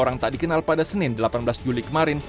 orang tak dikenal pada senin delapan belas juli kemarin